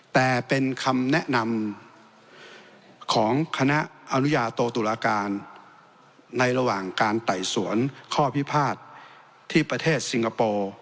แต่เป็นคำแนะนำของคณะอนุญาโตตุลาการในระหว่างการไต่สวนข้อพิพาทที่ประเทศสิงคโปร์